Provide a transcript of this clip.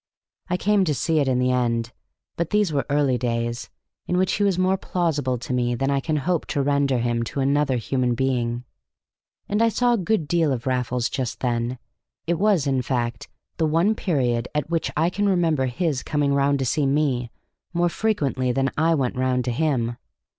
I came to see it in the end. But these were early days, in which he was more plausible to me than I can hope to render him to another human being. And I saw a good deal of Raffles just then; it was, in fact, the one period at which I can remember his coming round to see me more frequently than I went round to him.